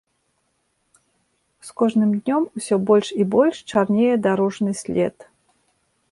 З кожным днём усё больш і больш чарнее дарожны след.